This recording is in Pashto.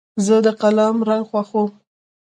زه د قلم رنګ خوښوم.